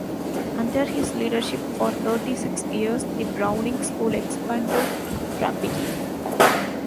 Under his leadership for thirty-six years, the Browning School expanded rapidly.